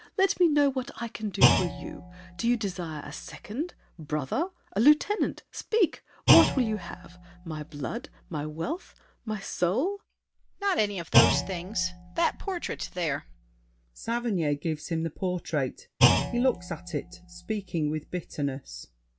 Let me know What I can do for you. Do you desire A second—brother—a lieutenant? Speak! What will you have—my blood, my wealth, my soul? DIDIER. Not any of those things. That portrait there! [Saverny gives him the portrait; he looks at it, speaking with bitterness.